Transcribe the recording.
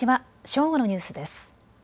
正午のニュースです。